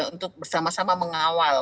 untuk bersama sama mengawal